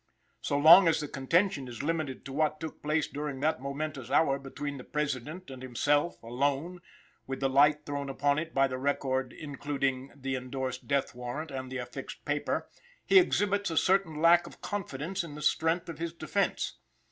So long as the contention is limited to what took place during that momentous hour between the President and himself, "alone," with the light thrown upon it by the record including the endorsed death warrant and the affixed paper, he exhibits a certain lack of confidence in the strength of his defense.